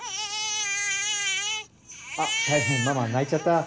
あっ大変ママ泣いちゃった。